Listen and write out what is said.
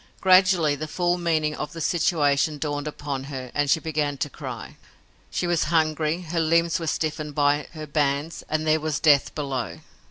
Gradually, the full meaning of the situation dawned upon her and she began to cry. She was hungry, her limbs were stiffened by her bands, and there was death below.